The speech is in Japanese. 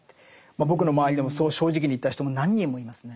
僕の周りでもそう正直に言った人も何人もいますね。